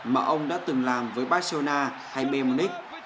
mà ông đã từng làm với barcelona hay b monic